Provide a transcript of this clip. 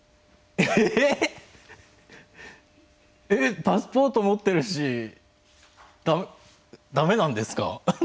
えっ、パスポートを持っているしだめなんですか。